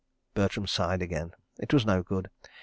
..." Bertram sighed again. It was no good.